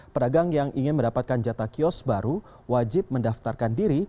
pedagang yang ingin mendapatkan jatah kios baru wajib mendaftarkan diri